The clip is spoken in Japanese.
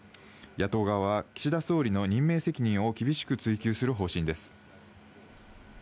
野党側は岸田総理の任命責任を厳しく追及する方針です。